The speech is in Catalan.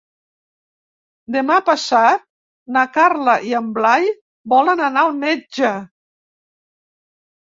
Demà passat na Carla i en Blai volen anar al metge.